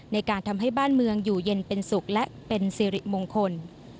ในการทำให้บ้านเมืองอยู่เย็นเป็นสุขและเป็นสิริมงคล